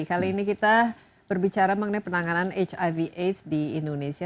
kali ini kita berbicara mengenai penanganan hiv aids di indonesia